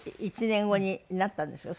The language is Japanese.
１年後になったんですか？